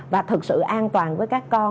và thật sự an toàn với các con